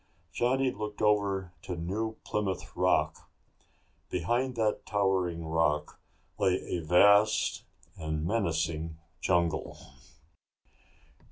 Johnny looked over to New Plymouth Rock. Behind that towering rock lay the vast and menacing jungle.